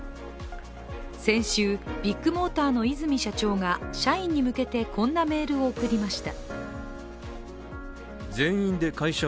先週、ビッグモーターの和泉社長が社員に向けてこんなメールを送りました。